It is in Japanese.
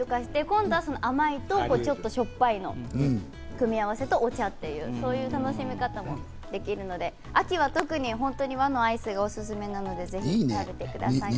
甘いとしょっぱいの組み合わせとお茶、そういう組み合わせもできるので、秋は本当に和のアイスがおすすめなので、ぜひ食べてください。